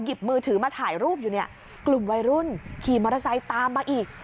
มือถือมาถ่ายรูปอยู่เนี่ยกลุ่มวัยรุ่นขี่มอเตอร์ไซค์ตามมาอีก